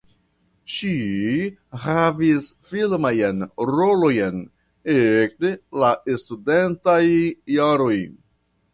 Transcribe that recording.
Ŝi havis filmajn rolojn ekde la studentaj jaroj.